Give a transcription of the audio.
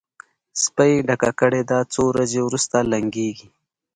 سپۍ یې ډکه کړې ده؛ څو ورځې روسته لنګېږي.